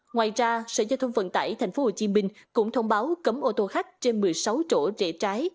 ngoài ra sở giao thông vận tải tp hcm cũng thông báo cấm ô tô khách trên một mươi sáu chỗ rễ trái